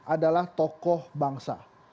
adalah tokoh bangsa